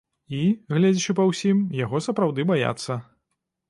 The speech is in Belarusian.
І, гледзячы па ўсім, яго сапраўды баяцца.